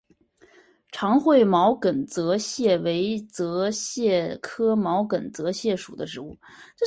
长喙毛茛泽泻为泽泻科毛茛泽泻属的植物。